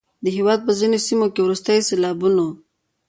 د هیواد په ځینو سیمو کې وروستیو سیلابونو